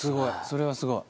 それはすごい。